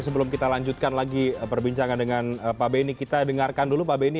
sebelum kita lanjutkan lagi perbincangan dengan pak benny kita dengarkan dulu pak benny